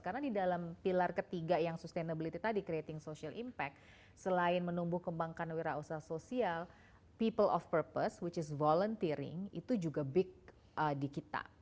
karena di dalam pilar ketiga yang sustainability tadi creating social impact selain menumbuh kembangkan wirausaha sosial people of purpose which is volunteering itu juga big di kita